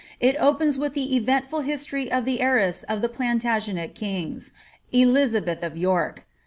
It opens with the e? entful history of the heiress of the Plantagenet kings, Elizabeth of York.